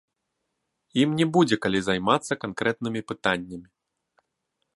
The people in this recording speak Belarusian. Ім не будзе калі займацца канкрэтнымі пытаннямі.